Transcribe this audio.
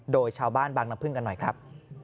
โดยชาวบางน้ำผึ้งกันหน่อยครับ